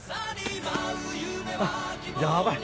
あっやばい。